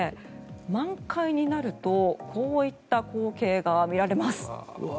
満開になるとこういった光景が見られます。